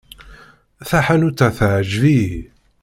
Taḥanut-a teɛjeb-iyi.